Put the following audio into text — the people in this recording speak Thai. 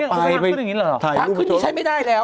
ไทยรูปเชิญไม่ได้แล้ว